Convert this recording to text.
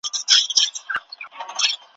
ولی به خلوت دل پاکباز و عیاشیم